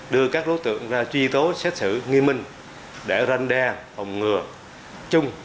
đưa các đối tượng ra truy tố xét xử nghiêm minh để ranh đe phòng ngừa chung